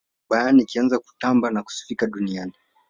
bayern ikaanza kutamba na kusifika duniani